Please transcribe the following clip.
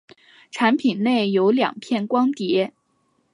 产品内有两片光碟。